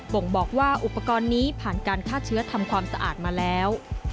่งบอกว่าอุปกรณ์นี้ผ่านการฆ่าเชื้อทำความสะอาดมาแล้ว